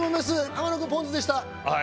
天野くんポンズでした。